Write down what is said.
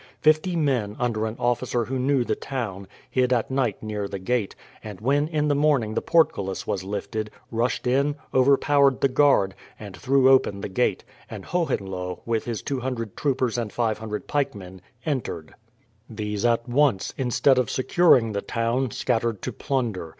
Fifty men, under an officer who knew the town, hid at night near the gate, and when in the morning the portcullis was lifted, rushed in, overpowered the guard, and threw open the gate, and Hohenlohe, with his 200 troopers and 500 pikemen, entered. These at once, instead of securing the town, scattered to plunder.